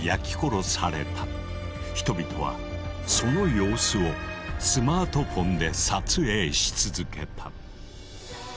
人々はその様子をスマートフォンで撮影し続けた。